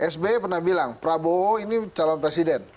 sby pernah bilang prabowo ini calon presiden